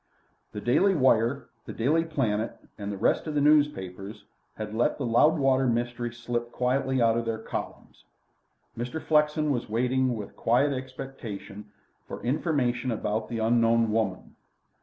The Daily Wire, the Daily Planet, and the rest of the newspapers had let the Loudwater mystery slip quietly out of their columns. Mr. Flexen was waiting with quiet expectation for information about the unknown woman.